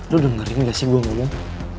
lu dengerin gak sih gue ngomong